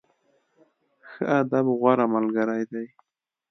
ښه ادب، غوره ملګری دی.